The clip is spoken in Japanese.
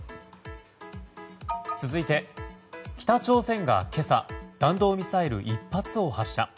続いて、北朝鮮が今朝弾道ミサイル１発を発射。